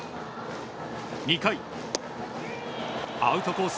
２回、アウトコース